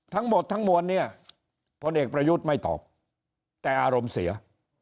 ทั้งหมดทั้งมวลเนี่ยพลเอกประยุทธ์ไม่ตอบแต่อารมณ์เสีย